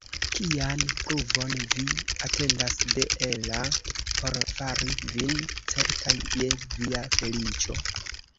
Kian pruvon vi atendas de Ella por fari vin certa je via feliĉo?